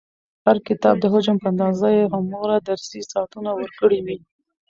او د هر کتاب د حجم په اندازه يي هغومره درسي ساعتونه ورکړي وي،